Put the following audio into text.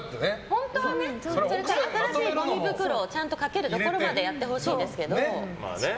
本当は新しいごみ袋をかけるところまでやってほしいですけど。